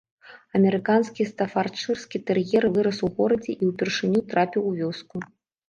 Амерыканскі стафардшырскі тэр'ер вырас у горадзе і ўпершыню трапіў у вёску.